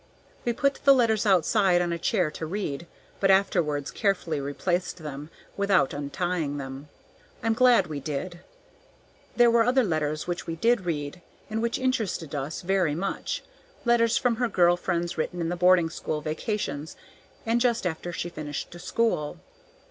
We put the letters outside on a chair to read, but afterwards carefully replaced them, without untying them. I'm glad we did. There were other letters which we did read, and which interested us very much, letters from her girl friends written in the boarding school vacations, and just after she finished school.